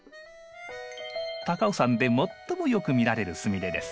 高尾山で最もよく見られるスミレです。